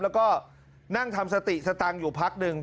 แล้วก็นั่งทำสติสตังค์อยู่พักหนึ่ง